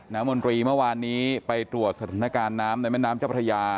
มนตรีเมื่อวานนี้ไปตรวจสถานการณ์น้ำในแม่น้ำเจ้าพระยา